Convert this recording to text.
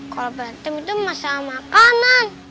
kalau batin itu masalah makanan